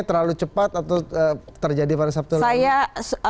terlalu cepat atau terjadi pada sabtu lalu